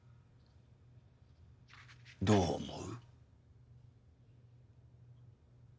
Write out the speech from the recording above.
どう思う？